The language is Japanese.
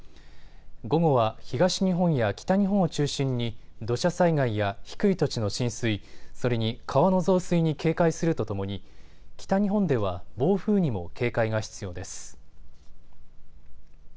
午後は東日本や北日本を中心に土砂災害や低い土地の浸水、それに川の増水に警戒するとともに北日本では暴風にも警戒が必要です。